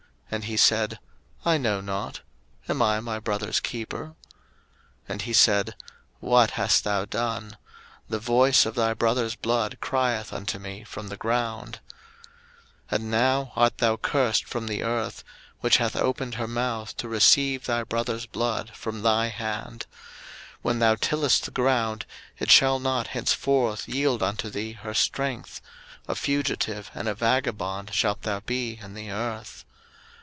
And he said, I know not: Am I my brother's keeper? 01:004:010 And he said, What hast thou done? the voice of thy brother's blood crieth unto me from the ground. 01:004:011 And now art thou cursed from the earth, which hath opened her mouth to receive thy brother's blood from thy hand; 01:004:012 When thou tillest the ground, it shall not henceforth yield unto thee her strength; a fugitive and a vagabond shalt thou be in the earth.